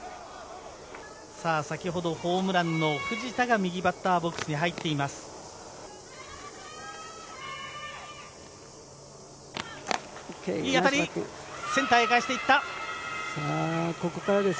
先ほどホームランの藤田が右バッターボックスに入っています。